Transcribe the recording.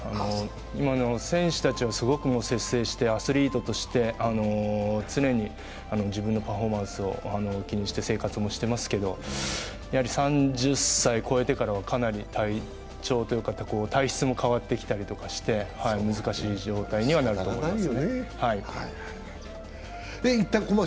今の選手たちは、ものすごく節制して、アスリートとして常に自分のパフォーマンスを気にして生活もしてますけど３０歳を超えてからかなり体調というか体質も変わってきたりして難しい状態にはなると思います。